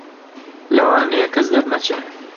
لەوانەیە کەس دەرنەچێ